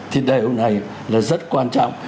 thì điều này là rất quan trọng